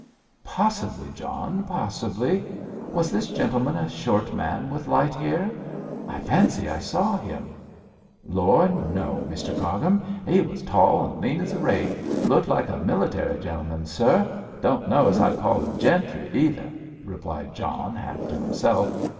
'Possibly, John, possibly. Was this gentleman a short man with light hair? I fancy I saw him.' 'Lor', no, Mr Cargrim. He was tall and lean as a rake; looked like a military gentleman, sir; and I don't know as I'd call him gentry either,' added John, half to himself.